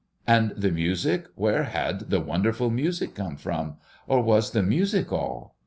And the music, where had the wonderful music come from, or was the music all?